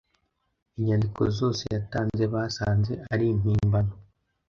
Inyandiko zose yatanze basanze ari impimbano